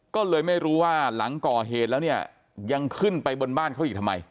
ก็เลยไม่รู้ว่าหลังก่อเหตุแล้วเนี่ยยังขึ้นไปบนบ้านเขาอีกทำไม